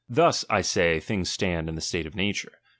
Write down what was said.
Thus, I say, things stand in the state of na ture.